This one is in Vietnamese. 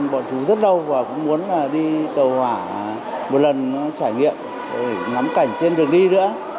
bọn chú rất đau và cũng muốn đi tàu hỏa một lần trải nghiệm ngắm cảnh trên đường đi nữa